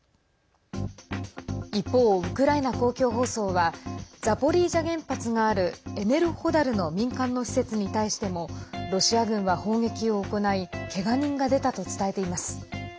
一方、ウクライナ公共放送はザポリージャ原発があるエネルホダルの民間の施設に対してもロシア軍は砲撃を行いけが人が出たと伝えています。